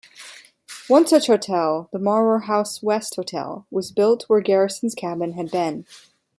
One such hotel, the Maurer House-West Hotel, was built where Garrison's cabin had been.